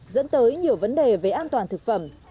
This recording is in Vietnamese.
dẫn tới nhiều vấn đề về an toàn thực phẩm